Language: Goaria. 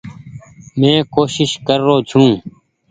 مين ڪوشش ڪر رو ڇون ۔